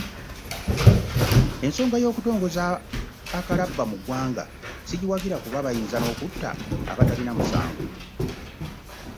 Ensonga y'okutongoza akalabba mu ggwanga sigiwagira kuba bayinza n'okutta abatalina musango.